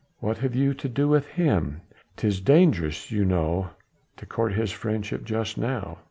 What have you to do with him? 'Tis dangerous, you know, to court his friendship just now."